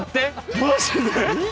マジで？